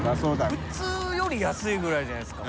普通より安いぐらいじゃないですか？